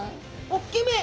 おっきめ！